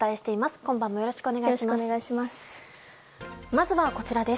今晩もよろしくお願いします。